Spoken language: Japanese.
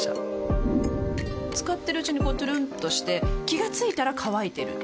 使ってるうちにこうトゥルンとして気が付いたら乾いてる